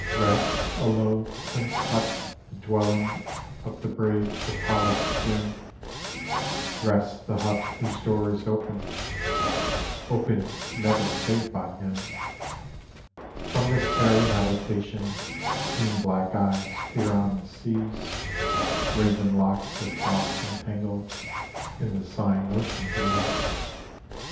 Rests a low, quaint hut, the dwelling of the brave Copalis Jim — Rests the hut whose door is opened — opened never save by him. From this airy habitation keen black eyes peer on the seas, Raven locks are tossed and tangled in the sigh ing ocean breeze.